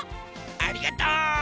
ありがとう。